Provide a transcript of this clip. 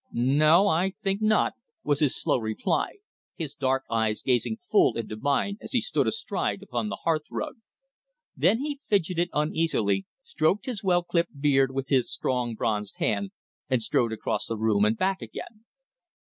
"No. I think not," was his slow reply, his dark eyes gazing full into mine as he still stood astride upon the hearthrug. Then he fidgeted uneasily, stroked his well clipped grey beard with his strong, bronzed hand, and strode across the room and back again.